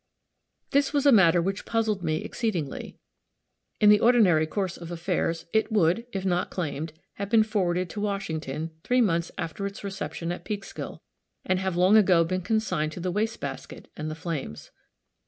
This was a matter which puzzled me exceedingly. In the ordinary course of affairs, it would, if not claimed, have been forwarded to Washington three months after its reception at Peekskill, and have long ago been consigned to the waste basket and the flames.